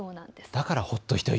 だから、ほっと一息。